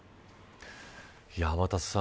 天達さん